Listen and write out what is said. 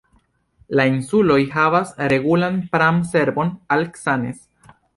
La insuloj havas regulan pram-servon al Cannes.